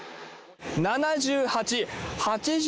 ７８、８０